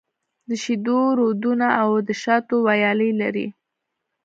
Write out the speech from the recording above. د شېدو رودونه او د شاتو ويالې لري.